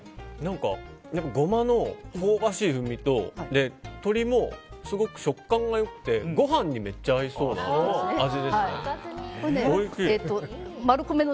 ゴマの香ばしい風味と鶏もすごく食感が良くてご飯にめっちゃ合いそうな味ですね。